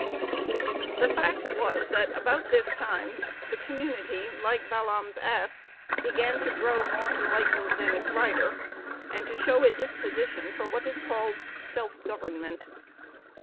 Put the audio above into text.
The fact was, that about this time the community, like Balaam's ass, began to grow more enlightened than its rider, and to show a disposition for what is called "self government."